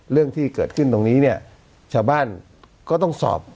เรื่องที่เกิดขึ้นตรงนี้เนี่ยชาวบ้านก็ต้องสอบ